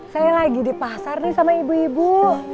saya lagi di pasar nih sama ibu ibu